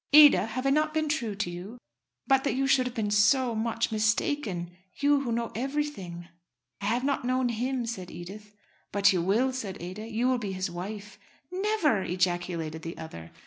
"Ada, have I not been true to you?" "But that you should have been so much mistaken; you, who know everything." "I have not known him," said Edith. "But you will," said Ada. "You will be his wife." "Never!" ejaculated the other.